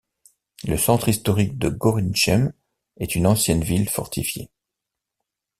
Le centre historique de Gorinchem est une ancienne ville fortifiée.